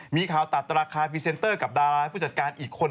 มีข่าวตัดราคาพรีเซนเตอร์กับดาราผู้จัดการอีกคน